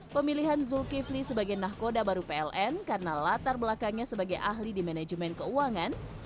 pemilihan zulkifli sebagai nahkoda baru pln karena latar belakangnya sebagai ahli di manajemen keuangan